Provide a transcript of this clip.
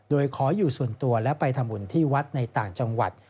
โดยขออยู่ส่วนตัวและไปทำบุญที่วัดในต่างจังหวัด